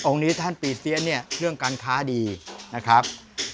นี้ท่านปีเซียนเนี่ยเรื่องการค้าดีนะครับ